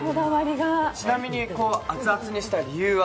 ちなみに、熱々にした理由は？